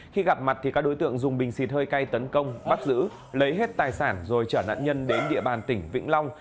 khi gặp mặt thì các đối tượng dùng bình xịt hơi cay tấn công bắt giữ lấy hết tài sản rồi trở nạn nhân đến địa bàn tỉnh vĩnh long